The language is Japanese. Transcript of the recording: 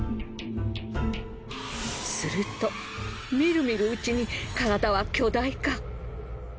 するとみるみるうちに体は巨大化。